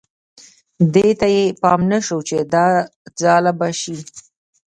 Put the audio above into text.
دې ته یې پام نه شو چې دا ځاله به شي.